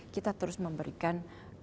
kita terus memberikan